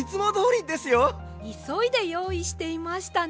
いそいでよういしていましたね。